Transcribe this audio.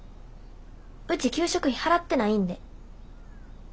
うち給食費払ってないんで。